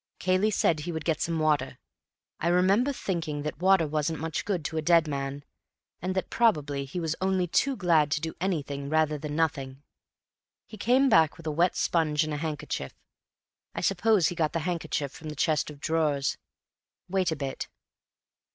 Cayley said he would get some water. I remember thinking that water wasn't much good to a dead man, and that probably he was only too glad to do anything rather than nothing. He came back with a wet sponge and a handkerchief. I suppose he got the handkerchief from the chest of drawers. Wait a bit."